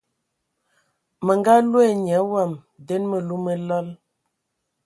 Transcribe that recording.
Mə nga loe nya wam nden məlu mə lal.